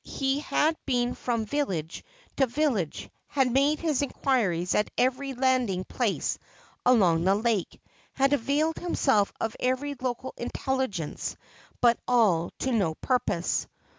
He had been from village to village, had made his inquiries at every landing place along the lake — had availed himself of every local intelligence ; but all to no purpose.